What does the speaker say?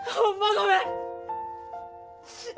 ごめん！